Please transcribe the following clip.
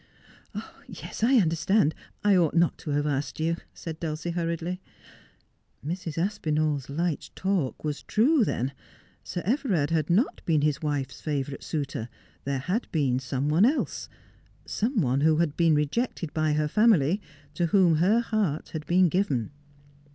"Yes, I understand. I ought not to have asked you,' said Dulcie hurriedly. Mrs. Aspinall's light talk was true, then. Sir Everard had not been his wife's favourite suitor. There bad been some one else ; some one who had been rejected by her family, to whom her heart had been given.